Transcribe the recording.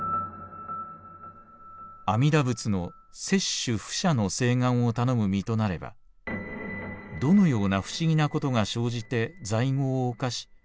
阿弥陀仏の摂取不捨の誓願をたのむ身となればどのような不思議なことが生じて罪業を犯し